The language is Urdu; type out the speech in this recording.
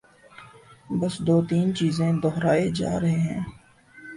بس دو تین چیزیں دہرائے جا رہے ہیں۔